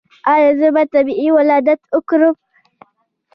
ایا زه باید طبیعي ولادت وکړم؟